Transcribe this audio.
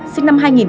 sinh năm hai nghìn ba